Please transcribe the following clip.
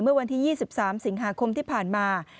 เมื่อวันที่๒๓สิงหาคมที่ผ่านมา